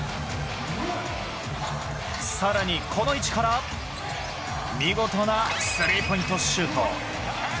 さらにこの位置から見事なスリーポイントシュート。